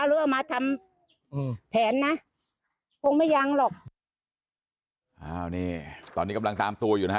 หรือเอามาทำอืมแผนนะคงไม่ยังหรอกอ้าวนี่ตอนนี้กำลังตามตัวอยู่นะฮะ